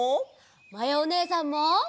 まやおねえさんも。